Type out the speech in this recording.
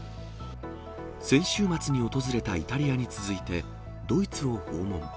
先週末に訪れたイタリアに続いて、ドイツを訪問。